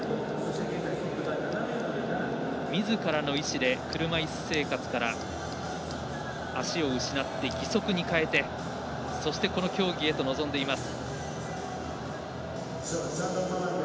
みずからの意思で車いす生活から足を失って義足に変えてそしてこの競技へと臨んでいます。